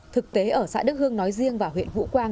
thực tế ở xã đức hương nói riêng và huyện vũ quang